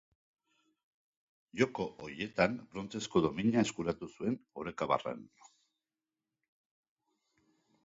Joko horietan brontzezko domina eskuratu zuen oreka-barran.